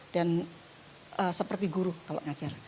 dan seperti guru kalau ngajar